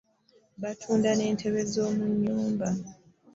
Batunda n'entebe zomunyumba.